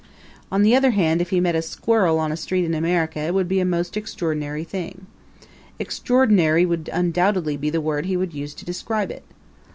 On the other hand, if he met a squirrel on a street in America it would be a most extraordinary thing. Extraordinary would undoubtedly be the word he would use to describe it.